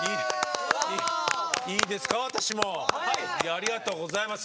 ありがとうございます。